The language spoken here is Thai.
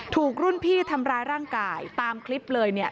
ถูกรุ่นพี่ทำร้ายร่างกายตามคลิปเลยเนี่ย